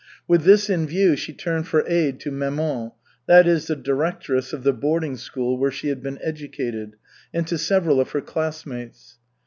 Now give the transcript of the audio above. With this in view she turned for aid to maman, that is, the directress of the boarding school where she had been educated, and to several of her classmates.